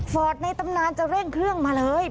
ในตำนานจะเร่งเครื่องมาเลย